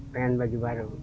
pengen baju baru